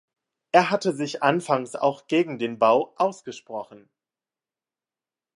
Er hatte sich anfangs auch gegen den Bau ausgesprochen.